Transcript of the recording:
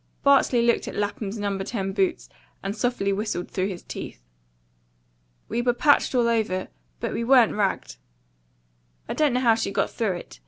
Bartley looked at Lapham's No. 10 boots, and softly whistled through his teeth. "We were patched all over; but we wa'n't ragged. I don't know how she got through it.